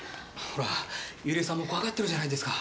ほらユリエさんも怖がってるじゃないですか。